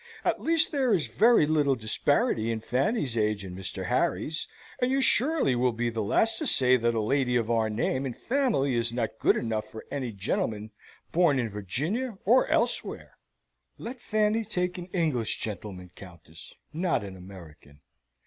"At least there is very little disparity in Fanny's age and Mr. Harry's; and you surely will be the last to say that a lady of our name and family is not good enough for any gentleman born in Virginia or elsewhere." "Let Fanny take an English gentleman, Countess, not an American.